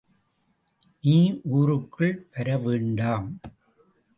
நீ ஊருக்குள் வரவேண்டாம்.